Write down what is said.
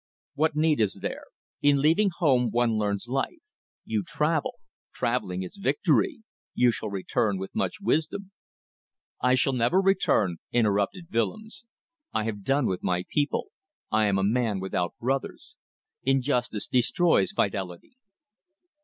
"What need is there? In leaving home one learns life. You travel. Travelling is victory! You shall return with much wisdom." "I shall never return," interrupted Willems. "I have done with my people. I am a man without brothers. Injustice destroys fidelity."